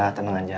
udah tenang aja